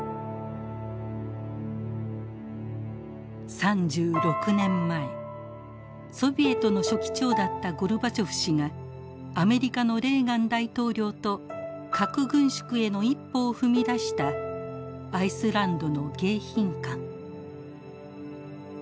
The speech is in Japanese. ３６年前ソビエトの書記長だったゴルバチョフ氏がアメリカのレーガン大統領と核軍縮への一歩を踏み出したアイスランドの迎賓館。